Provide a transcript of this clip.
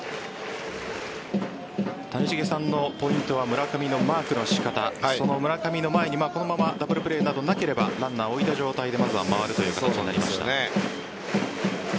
谷繁さんのポイントは村上のマークの仕方その村上の前にこのままダブルプレーなどなければランナーを置いた状態で回る形になりました。